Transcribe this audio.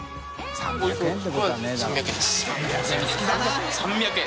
３００円！